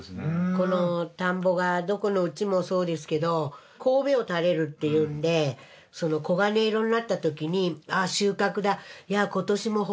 この田んぼがどこのうちもそうですけど頭を垂れるっていうんで黄金色になったときに。